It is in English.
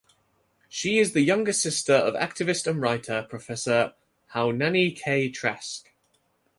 She is the younger sister of activist and writer, Professor Haunani-Kay Trask.